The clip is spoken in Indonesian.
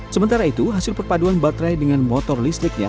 sementara itu hasil perpaduan baterai dengan motor listriknya